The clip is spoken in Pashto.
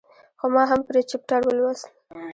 خو ما هم پرې چپټر ولوست.